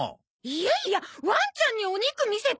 いやいやワンちゃんにお肉見せたら。